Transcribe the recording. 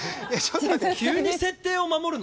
急に設定を守るの？